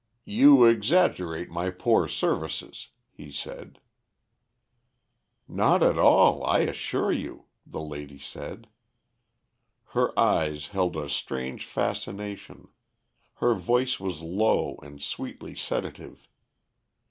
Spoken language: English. "You exaggerate my poor services," he said. "Not at all, I assure you," the lady said. Her eyes held a strange fascination; her voice was low and sweetly sedative.